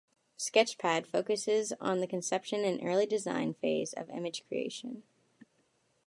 Sketch Pad focuses on the conception and early design phase of image creation.